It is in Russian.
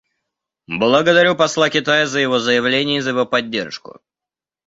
Благодарю посла Китая за его заявление и за его поддержку.